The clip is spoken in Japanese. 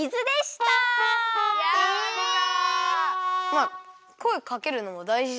まあこえかけるのも大事だから。